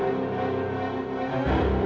saya tak bisa jawab